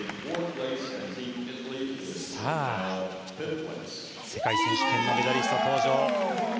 さあ、世界選手権のメダリスト登場。